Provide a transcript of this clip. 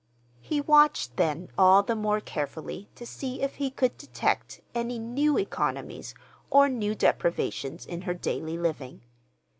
He watched then all the more carefully to see if he could detect any new economies or new deprivations in her daily living.